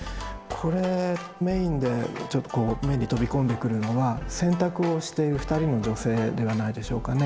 これメインで目に飛び込んでくるのは洗濯をしている２人の女性ではないでしょうかね。